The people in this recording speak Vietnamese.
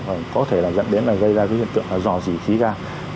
và có thể là dẫn đến là gây ra cái hiện tượng là dò dỉ khí ga